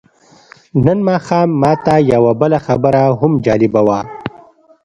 نن ماښام ماته یوه بله خبره هم جالبه وه.